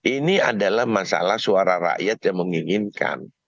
ini adalah masalah suara rakyat yang menginginkan